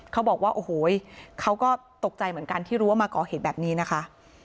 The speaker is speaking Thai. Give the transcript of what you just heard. เขาบอกว่าโอ้โหเขาก็ตกใจเหมือนกันที่รู้ว่ามาก่อเหตุแบบนี้นะคะ